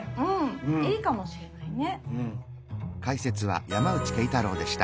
いいかもしれないね。